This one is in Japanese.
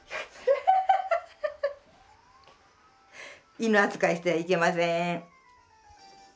犬扱いしてはいけません。